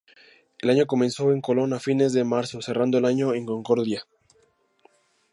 El año comenzó en Colón a fines de marzo cerrando el año en Concordia.